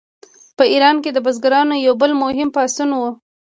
په ایران کې د بزګرانو یو بل مهم پاڅون و.